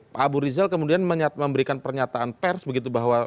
pak abu rizal kemudian memberikan pernyataan pers begitu bahwa